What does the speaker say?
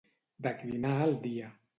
Declinar el dia.